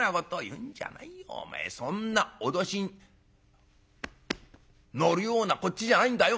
お前そんな脅しに乗るようなこっちじゃないんだよ。